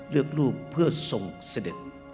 เลือกรูปเพื่อส่งเสด็จ